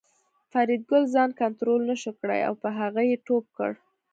فریدګل ځان کنترول نشو کړای او په هغه یې ټوپ کړ